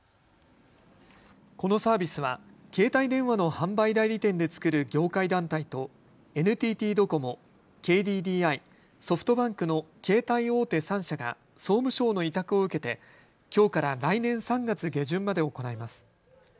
このサービスは携帯電話の販売代理店で作る業界団体とＮＴＴドコモ、ＫＤＤＩ、ソフトバンクの携帯大手３社が総務省の委託を受けてきょうから来年３月下旬まで行います。